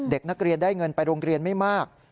เด็กนักเรียนได้เงินไปโรงเรียนไม่มาก